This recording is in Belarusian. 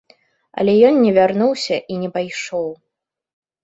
Але ён не вярнуўся і не пайшоў.